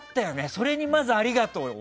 それにまず、ありがとうだよ。